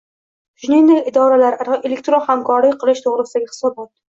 shuningdek idoralararo elektron hamkorlik qilish to‘g‘risidagi hisobot